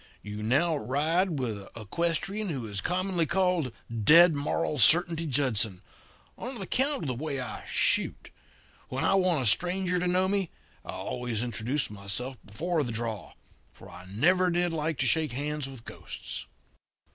'You now ride with a equestrian who is commonly called Dead Moral Certainty Judson, on account of the way I shoot. When I want a stranger to know me I always introduce myself before the draw, for I never did like to shake hands with ghosts.'